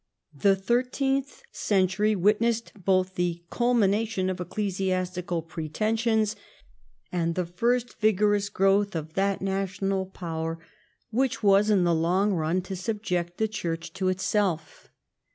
The thirteenth century witnessed both the culmination of ecclesiastical pretensions and the first vigorous growth of that national 150 EDWARD I chap. power which was in the long run to subject the Church to itself.